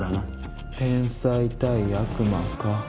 天才対悪魔か。